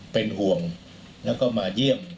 เป็นห่วงแล้วก็มาเยี่ยม